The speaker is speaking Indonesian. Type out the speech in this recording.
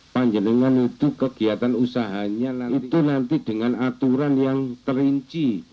panjenengan itu kegiatan usahanya itu nanti dengan aturan yang terinci